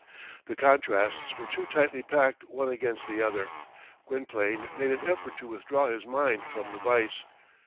The contrasts were too tightly packed one against the other. Gwynplaine made an effort to withdraw his mind from the vice.